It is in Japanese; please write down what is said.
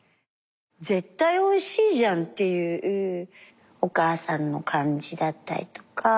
絶対おいしいじゃんっていうおかあさんの感じだったりとか。